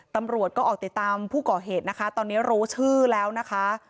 ตำรวจก็ออกติดตามผู้ก่อเหตุนะคะตอนนี้รู้ชื่อแล้วนะคะ